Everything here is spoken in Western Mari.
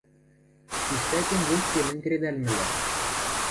Тиштӓкен вес семӹнь кредӓлмӹлӓ.